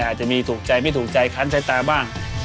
อาจจะมีถูกใจไม่ถูกใจคันใช้ตาบ้าง